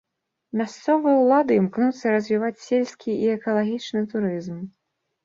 Мясцовыя ўлады імкнуцца развіваць сельскі і экалагічны турызм.